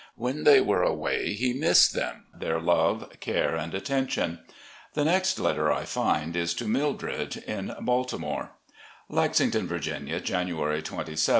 When they were away he missed them, their love, care, and attention. The next letter I find is to Mildred, in Baltimore: "Lexington, Virginia, January 27, 1867.